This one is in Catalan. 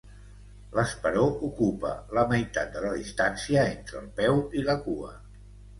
L'esperó ocupa la meitat de la distància entre el peu i la cua.